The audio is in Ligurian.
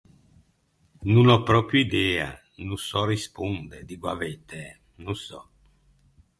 No n’ò pròpio idea, no sò responde, diggo a veitæ. No sò.